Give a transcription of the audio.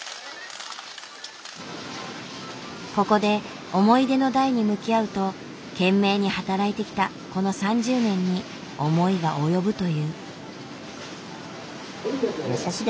ここで思い出の台に向き合うと懸命に働いてきたこの３０年に思いが及ぶという。